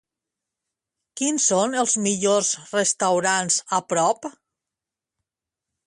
Quins són els millors restaurants a prop?